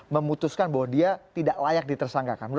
memutuskan bahwa dia tidak layak ditersangkakan